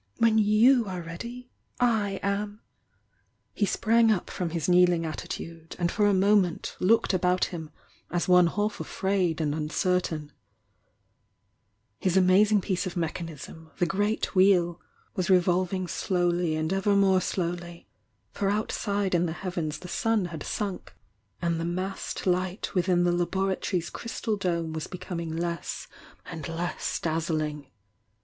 When you are ready, / am!" He sprang up from his kneeling attitude, and for THE YOUNG DIANA 287 urSn* '°°H about him as one half afraid and S^Loi " amazing piece of mechanism, the p eat Wheel, was revolvmg slowly and ever more slowly, for outside in the heavens the sun had sZk and the massed light within the laboratory's cS dome was becoming less and less dazzling.